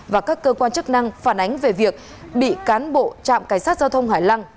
và các cơ quan chức năng phản ánh về việc bị cán bộ trạm cảnh sát giao thông hải lăng